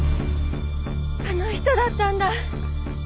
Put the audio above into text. あの人だったんだ。